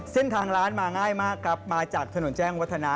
เส้นทางร้านมาง่ายมากครับมาจากถนนแจ้งวัฒนา